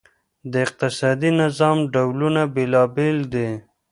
د اقتصادي نظام ډولونه بېلابیل دي.